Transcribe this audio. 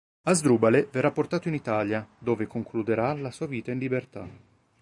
Asdrubale verrà portato in Italia dove concluderà la sua vita in libertà.